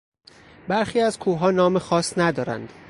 برخی از کوهها نام خاصی ندارند.